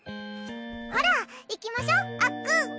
ほら行きましょあっくん。